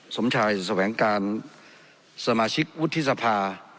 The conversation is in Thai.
สมชายแสวงการสมาชิกวุฒิสภา